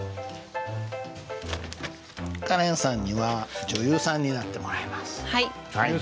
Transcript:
カレンさんには女優さんになってもらいます。